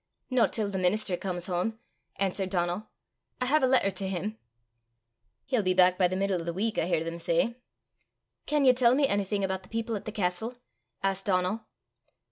"Not till the minister comes home," answered Donal. "I have a letter to him." "He'll be back by the middle o' the week, I hear them say." "Can you tell me anything about the people at the castle?" asked Donal.